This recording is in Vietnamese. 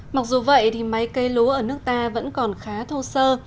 mặc dù vậy thì máy cây lúa ở nước ta vẫn còn khá thô sơ